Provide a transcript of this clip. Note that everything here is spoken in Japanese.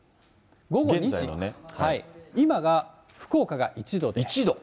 午後２時、今が福岡が１度で。